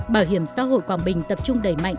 bảo hiểm xã hội quảng bình tập trung đẩy mạnh